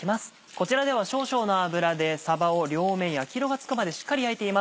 こちらでは少々の油でさばを両面焼き色がつくまでしっかり焼いています。